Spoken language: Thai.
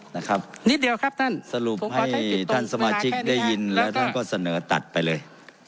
นิดเดียวครับท่านสรุปให้ท่านสมาชิกได้ยินแล้วท่านก็เสนอตัดไปเลย